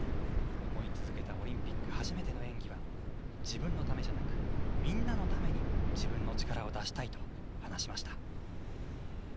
思い続けたオリンピック初めての演技は自分のためではなくみんなために自分の力を出したいと話しました。